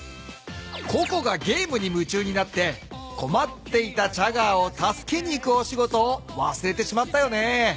ココがゲームにむちゅうになってこまっていたチャガーを助けに行くお仕事をわすれてしまったよね。